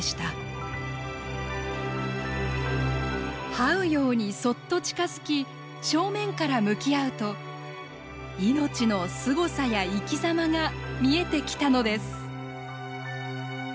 はうようにそっと近づき正面から向き合うと命の「すごさ」や「生きざま」が見えてきたのです。